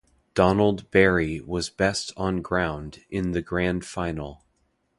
Donald Barry was best on ground in the Grand Final.